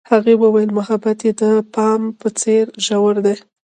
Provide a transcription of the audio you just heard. هغې وویل محبت یې د بام په څېر ژور دی.